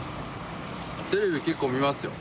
テレビ結構見ますよ。